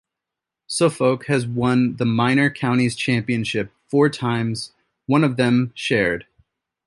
Suffolk has won the Minor Counties Championship four times, one of them shared.